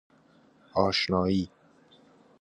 آشنایی